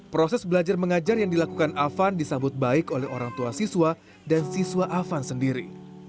proses belajar mengajar yang dilakukan afan disambut baik oleh orang tua siswa dan siswa afan sendiri